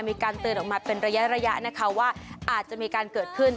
มีการเตือนออกมาเป็นระยะนะคะว่าอาจจะมีการเกิดขึ้น